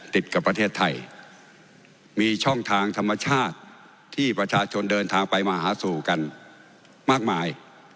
ติดกับประเทศไทยมีช่องทางธรรมชาติที่ประชาชนเดินทางไปมาหาสู่กันมากมาย